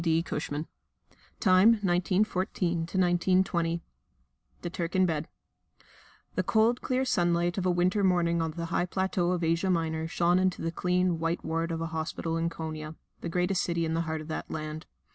D. Cushman_ (Time 1914 1920) The Turk in Bed The cold, clear sunlight of a winter morning on the high plateau of Asia Minor shone into the clean, white ward of a hospital in Konia (the greatest city in the heart of that land).